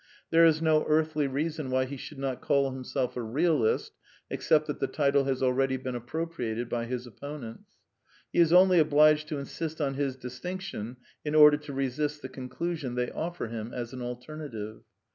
There is no earthly reason why he should not call himself a Bealist, except that the title has already been appropriated by his opponents. He is only obliged to insist on his distinction in order to V^resist the conclusion they offer him as an alternative.